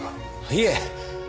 いえ！